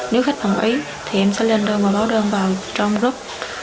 nếu khách đồng ý em sẽ lên đơn và báo đơn vào trong group